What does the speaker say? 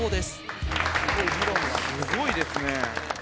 すごいですね。